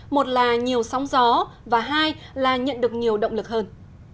một là nhiều sóng gió và hai là nhận được nhiều động lực hơn